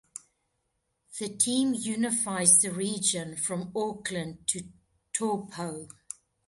The team unifies the region from Auckland to Taupo.